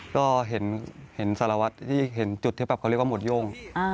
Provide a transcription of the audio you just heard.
ก็เห็นสารวัตรที่เห็นจุดที่แบบเขาเรียกว่าหมวดโย่ง